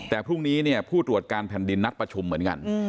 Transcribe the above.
แต่พรุ่งนี้เนี่ยผู้ตรวจการแผ่นดินนัดประชุมเหมือนกัน